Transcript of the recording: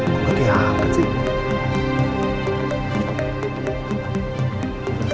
kok dia hampir sih